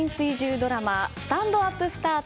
ドラマ「スタンドＵＰスタート」。